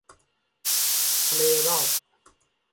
ทะเลรอสส์